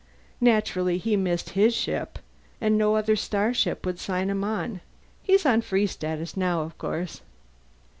Naturally he missed his ship, and no other starship would sign him on. He's on Free Status now, of course.